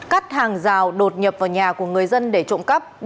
cắt hàng rào đột nhập vào nhà của người dân để trộm cắp